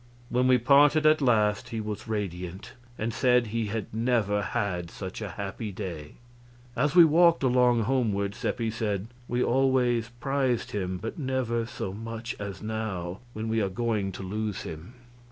When we parted at last, he was radiant, and said he had never had such a happy day. As we walked along homeward, Seppi said, "We always prized him, but never so much as now, when we are going to lose him."